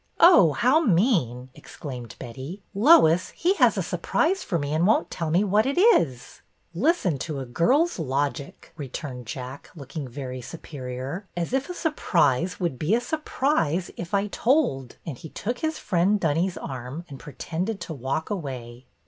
Oh, how mean !" exclaimed Betty. Lois, he has a surprise for me and won't tell what it is." Listen to a girl's logic," returned Jack, look ing very superior. '' As if a surprise would be a surprise if told," and he took his friend Dunny's arm and pretended to walk away.